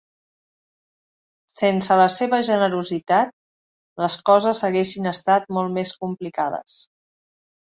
Sense la seva generositat, les coses haguessin estat molt més complicades.